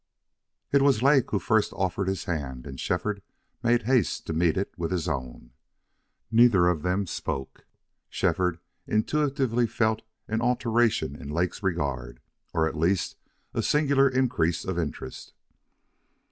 It was Lake who first offered his hand, and Shefford made haste to meet it with his own. Neither of them spoke. Shefford intuitively felt an alteration in Lake's regard, or at least a singular increase of interest.